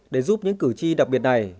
để giúp những cử tri đặc biệt này